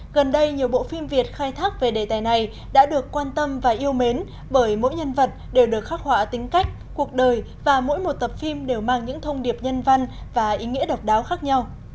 gần đây nhiều bộ phim việt khai thác về đề tài này đã được quan tâm và yêu mến bởi mỗi nhân vật đều được khắc họa tính cách cuộc đời và mỗi một tập phim đều mang những thông điệp nhân văn và ý nghĩa độc đáo khác nhau